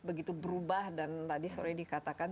begitu berubah dan tadi sore dikatakan